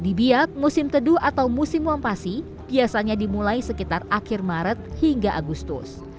di biak musim teduh atau musim wampasi biasanya dimulai sekitar akhir maret hingga agustus